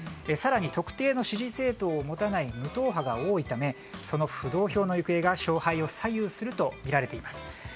更に特定の支持政党を持たない無党派が多いためその浮動票の行方が勝敗を左右するとみられています。